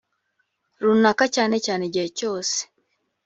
runaka cyane cyane igihe cyose